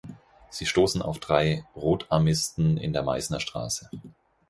Sie stoßen auf drei Rotarmisten in der Meißner Straße.